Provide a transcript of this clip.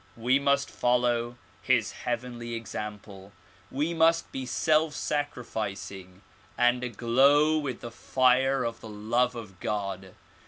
We must follow his heavenly example ; we must be self sacrificing and aglow with the fire of the love of God.